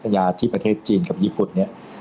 ยาที่ประเทศจีนกับญี่ปุ่นเนี่ย